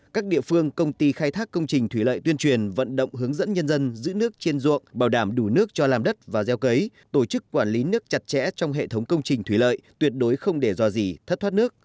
các địa phương công ty khai thác công trình thủy lợi tuyên truyền vận động hướng dẫn nhân dân giữ nước trên ruộng bảo đảm đủ nước cho làm đất và gieo cấy tổ chức quản lý nước chặt chẽ trong hệ thống công trình thủy lợi tuyệt đối không để dò dỉ thất thoát nước